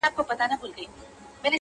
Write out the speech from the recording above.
د شپې نه وروسته بيا سهار وچاته څه وركوي،